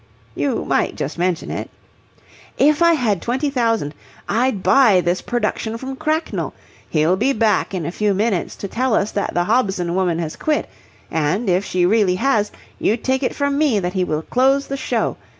"You might just mention it." "If I had twenty thousand, I'd buy this production from Cracknell. He'll be back in a few minutes to tell us that the Hobson woman has quit: and, if she really has, you take it from me that he will close the show.